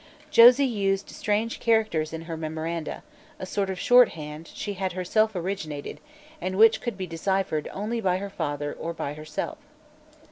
Josie used strange characters in her memoranda, a sort of shorthand she had herself originated and which could be deciphered only by her father or by herself.